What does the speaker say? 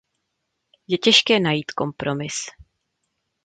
Je těžké najít kompromis.